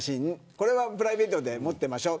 これはプライベートで持っていましょう。